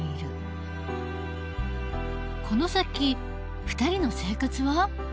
この先２人の生活は？